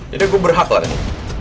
jadi gue berhak lah ini